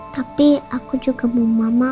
tapi aku juga mau mama